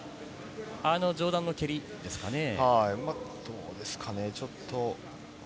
上段の蹴りですかね。